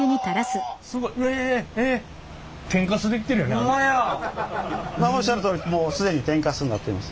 おっしゃるとおりもう既に天かすになっています。